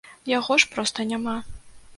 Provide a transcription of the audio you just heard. Яго ж проста няма.